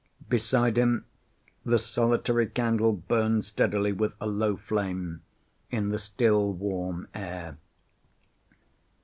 Beside him the solitary candle burned steadily with a low flame in the still warm air.